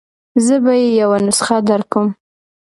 زه به يې یوه نسخه درکړم.